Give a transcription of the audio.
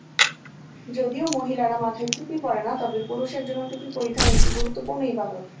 যদিও মহিলারা মাথায় টুপি পরেন না, তবে পুরুষের জন্য টুপি পরিধান একটি গুরুত্বপূর্ণ ইবাদত।